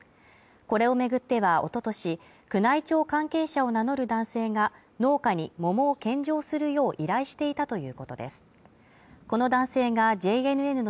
これを巡ってはおととし宮内庁関係者を名乗る男性が農家に桃を献上するよう依頼していたということです。